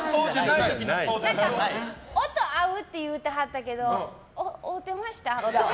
音合うって言うてはったけど合うてました？